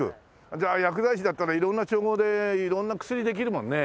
じゃあ薬剤師だったら色んな調合で色んな薬できるもんね。